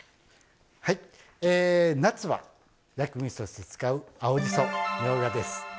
夏は薬味として使う青じそ、みょうがです。